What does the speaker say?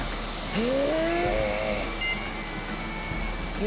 へえ。